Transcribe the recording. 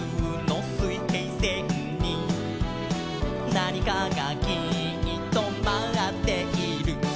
「なにかがきっとまっている」